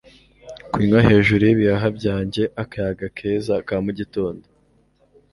Kunywa hejuru yibihaha byanjye akayaga keza ka mugitondo